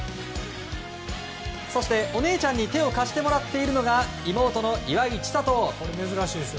そして、お姉ちゃんに手を貸してもらっているのが妹の岩井千怜。